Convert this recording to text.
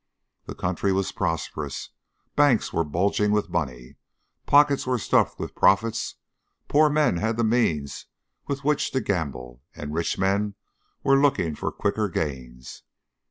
The country was prosperous, banks were bulging with money, pockets were stuffed with profits; poor men had the means with which to gamble and rich men were looking for quicker gains.